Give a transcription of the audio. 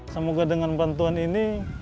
semoga dengan bantuan ini